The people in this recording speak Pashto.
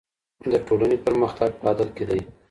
د ټولني پرمختګ په عدل کي دی.